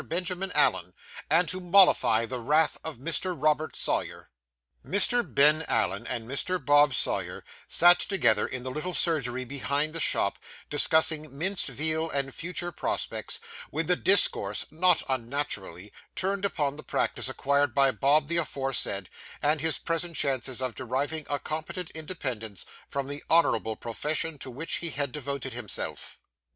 BENJAMIN ALLEN, AND TO MOLLIFY THE WRATH OF MR. ROBERT SAWYER Mr. Ben Allen and Mr. Bob Sawyer sat together in the little surgery behind the shop, discussing minced veal and future prospects, when the discourse, not unnaturally, turned upon the practice acquired by Bob the aforesaid, and his present chances of deriving a competent independence from the honourable profession to which he had devoted himself.